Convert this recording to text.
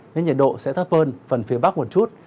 nên nhiệt độ sẽ thấp hơn phần phía bắc một chút